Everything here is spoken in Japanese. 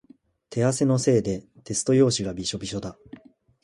手汗のせいでテスト用紙がびしょびしょだ。